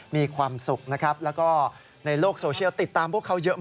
มีความสุขนะครับ